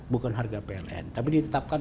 bukan harga pln tapi ditetapkan